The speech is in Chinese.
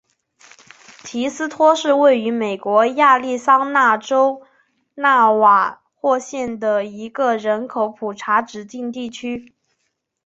提斯托是位于美国亚利桑那州纳瓦霍县的一个人口普查指定地区。